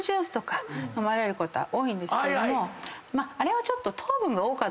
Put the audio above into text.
飲まれること多いんですけれどもあれはちょっと。